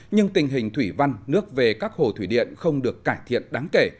nhưng tình hình thủy văn nước về các hồ thủy điện không được cải thiện đáng kể